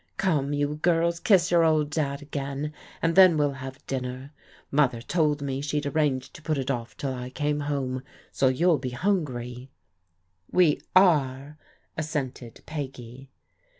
Come, you girls, kiss your old Dad again, and then we'll have dinner. Mother told me she'd ar ranged to put it off till I came home, so you'll be himgry/' " We are," assented Peggy.